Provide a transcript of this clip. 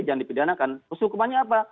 jangan dipidanakan mesti hukumannya apa